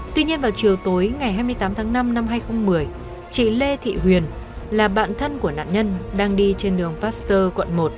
tuy nhiên vào chiều tối ngày hai mươi tám tháng năm năm hai nghìn một mươi chị lê thị huyền là bạn thân của nạn nhân đang đi trên đường pasteur quận một